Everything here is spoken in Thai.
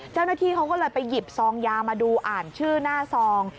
เจ้าหน้าที่เขาก็เลยไปหยิบซองยามาดูอ่านชื่อหน้าซอง